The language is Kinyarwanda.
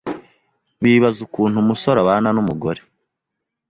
bibaza ukuntu umusore abana n’umugore